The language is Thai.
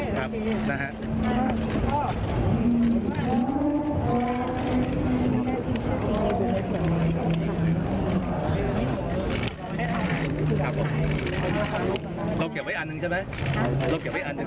ครับเราเก็บไว้อันหนึ่งใช่ไหม